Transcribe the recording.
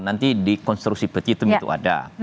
nanti di konstruksi petitum itu ada